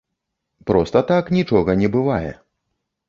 Проста так нічога не бывае.